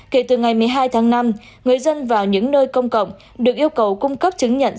kể từ ngày một mươi hai tháng năm người dân vào những nơi công cộng được yêu cầu cung cấp chứng nhận